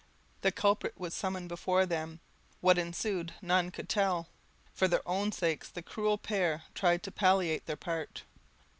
The culprit was summoned before them; what ensued none could tell; for their own sakes the cruel pair tried to palliate their part.